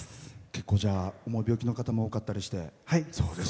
結構、では重い病気の方も多かったりして。